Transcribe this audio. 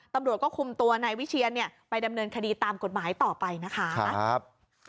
ตำรวจก็คุมตัวนายวิเชียนเนี่ยไปดำเนินคดีตามกฎหมายต่อไปนะคะ